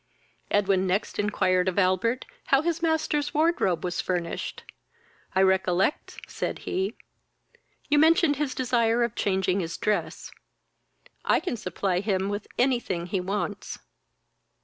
Edwin next inquired of Albert how his master's wardrobe was furnished. "I recollect (said he) you mentioned his desire of changing his dress. I can supply his with any thing he wants."